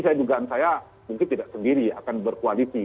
saya dugaan saya mungkin tidak sendiri akan berkoalisi